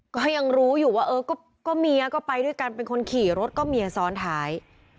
ก็ยังรู้อยู่ว่าเออก็เมียก็ไปด้วยกันเป็นคนขี่รถก็เมียซ้อนท้าย